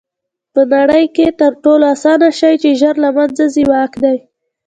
په نړۍ کښي تر ټولو آسانه شى چي ژر له منځه ځي؛ واک دئ.